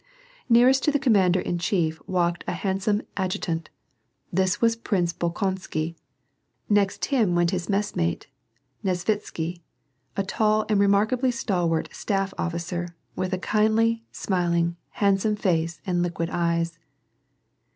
Nearest to the commander in chief walked a handsome adjutant : this was Prince Bolkonsky. Next him went his messmate, Nesvitsky, a tiill and remarkably stal wart staff officer, with a kindly, smiling, handsome face and liquid eyes.